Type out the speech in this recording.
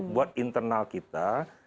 buat internal kita